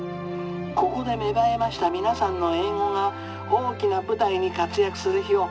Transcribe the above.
ここで芽生えました皆さんの英語が大きな舞台に活躍する日をお待ち申しております。